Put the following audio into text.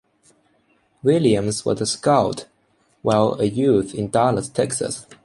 Williams was a Scout while a youth in Dallas, Texas.